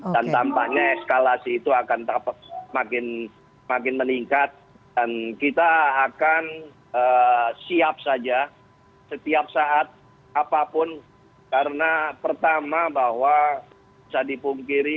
dan tampaknya eskalasi itu akan makin meningkat dan kita akan siap saja setiap saat apapun karena pertama bahwa bisa dipungkiri